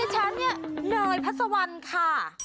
ดิฉันเนยเหนยพระสวรรค์ค่ะ